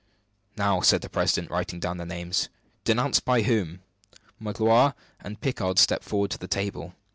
"Now," said the president, writing down their names. "Denounced by whom?" Magloire and Picard stepped forward to the table.